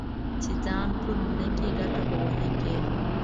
چې ځان پل نه کړې؛ ګټه به و نه کړې.